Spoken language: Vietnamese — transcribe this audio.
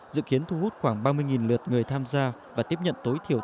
dự kiến thu hút khoảng ba mươi lượt người tham gia và tiếp nhận tối thiểu